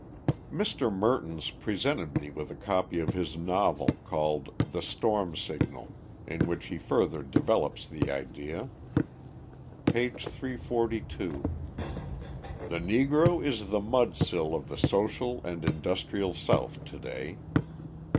Mr. Mertins presented me with a copy of his novel called "The Storm Signal," in which he further develops the idea (p. 342): The Negro is the mudsill of the social and industrial South to day.